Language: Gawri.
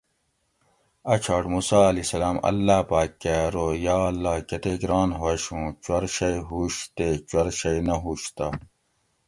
اۤ چھاٹ موسٰی علیہ السلام اللّٰہ پاۤک کہۤ ارو یا اللّٰہ کتیک ران ہوش اُوں چور شئ ہوش تے چور شئ نہ ہُوش تہ